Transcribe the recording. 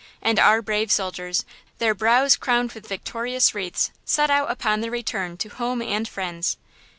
And our brave soldiers, their "brows crowned with victorious wreaths," set out upon their return to home and friends.